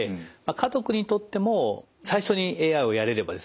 家族にとっても最初にＡＩをやれればですね